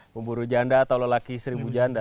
memburu janda atau lelaki seribu janda